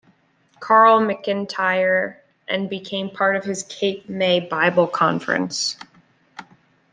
Carl McIntire and became part of his Cape May Bible Conference.